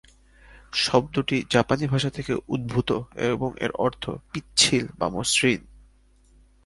শব্দটি জাপানি ভাষা থেকে উদ্ভূত এবং এর অর্থ "পিচ্ছিল/মসৃণ"।